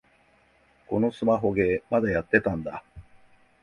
このスマホゲー、まだやってたんだ